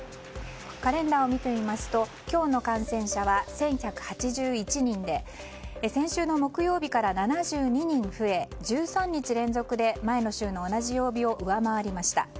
カレンダーを見てみますと今日の感染者は１１８１人で先週の木曜日から７２人増え１３日連続で前の週の同じ曜日を上回りました。